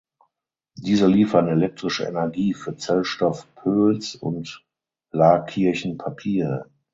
Diese liefern elektrische Energie für Zellstoff Pöls und Laakirchen Papier.